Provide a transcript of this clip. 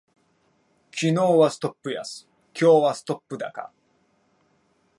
昨日はストップ安、今日はストップ高